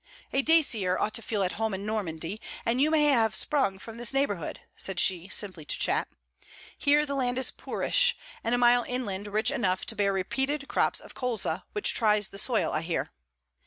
'A Dacier ought to feel at home in Normandy; and you may have sprung from this neighbourhood,' said she, simply to chat. 'Here the land is poorish, and a mile inland rich enough to bear repeated crops of colza, which tries the soil, I hear.